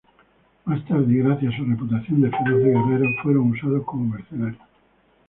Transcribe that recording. Más tarde y gracias a su reputación de feroces guerreros fueron usados como mercenarios.